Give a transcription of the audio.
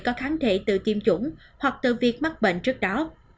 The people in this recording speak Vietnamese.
có kháng thể tự tiêm chủng hoặc từ việc mắc bệnh trước đó